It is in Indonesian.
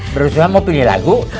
bro suha mau pilih lagu